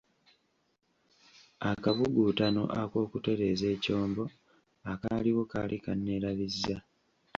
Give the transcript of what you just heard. Akabuguutano ak'okutereeza ekyombo akaaliwo kaali kanneerabizza.